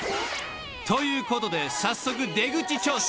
［ということで早速出口調査開始］